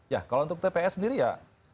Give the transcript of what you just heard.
ya kalau untuk tps sendiri ya